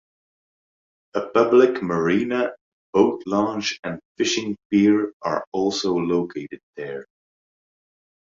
A public marina, boat launch, and fishing pier are also located there.